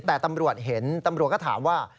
แต่ตำรวจเห็นตำรวจก็ถามว่า